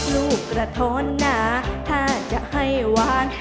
ลูกกระท้อนหนาถ้าจะให้วาง